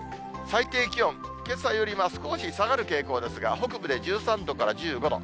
最低気温、けさよりは少し下がる傾向ですが、北部で１３度から１５度。